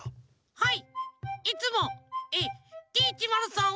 はい。